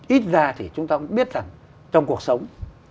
ít ra thì chúng ta cũng biết rằng trong cuộc sống